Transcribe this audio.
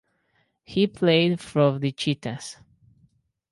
He played for the Cheetahs.